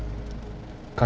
mungkin lo mau mau mau kerja